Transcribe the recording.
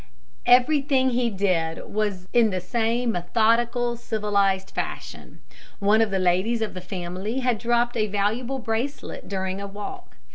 Everything he did was in the same methodical, civilised fashion. One of the ladies of the family had dropped a valuable bracelet during a walk.